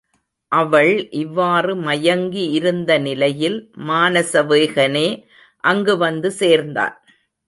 அவள் இவ்வாறு மயங்கி இருந்த நிலையில் மானசவேகனே அங்கு வந்து சேர்ந்தான்.